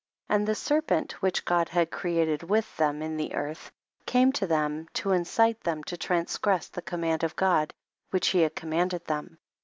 9. And the serpent, which God had created with them in the earth, came to them to incite them to trans gress the command of God which he had commanded them.